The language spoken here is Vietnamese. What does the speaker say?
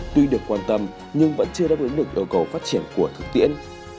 tuy được quan tâm nhưng vẫn chưa đáp ứng được yêu cầu phát triển của thực tiễn